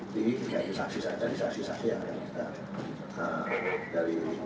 di saksi saksi yang ada di jenderal